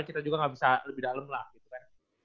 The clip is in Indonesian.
kita juga nggak bisa lebih dalem lah